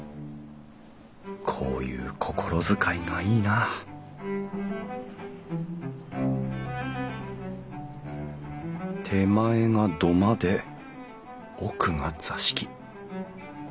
こういう心遣いがいいな手前が土間で奥が座敷。